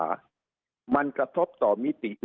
สุดท้ายก็ต้านไม่อยู่